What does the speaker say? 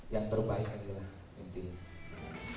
yang terbaik aja lah intinya